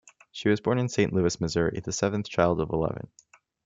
She was born in Saint Louis, Missouri, the seventh child of eleven.